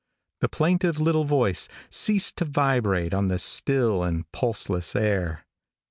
The plaintive little voice ceased to vibrate on the still and pulseless air.